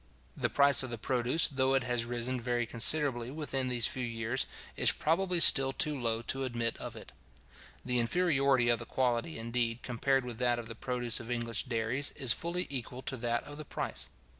The price of the produce, though it has risen very considerably within these few years, is probably still too low to admit of it. The inferiority of the quality, indeed, compared with that of the produce of English dairies, is fully equal to that of the price.